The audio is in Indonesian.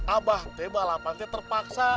abah teh balapan teh terpaksa